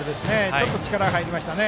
ちょっと力が入りましたね。